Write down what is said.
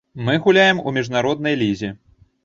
Мы гуляем у міжнароднай лізе.